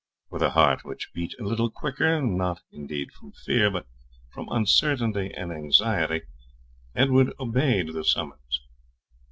With a heart which beat a little quicker, not indeed from fear, but from uncertainty and anxiety, Edward obeyed the summons.